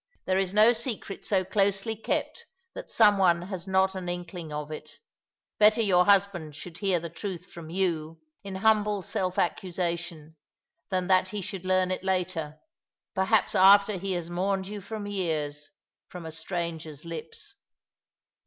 There is no secret so closely kept that some one has not an inkling of it. Better your husband should hear the truth from you, in humble self accusation, than that he should learn it later — perhaps after he has mourned you for years — from a stranger's Ups."